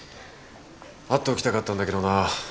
会っておきたかったんだけどな。